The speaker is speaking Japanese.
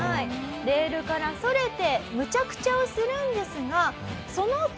レールからそれてむちゃくちゃをするんですが。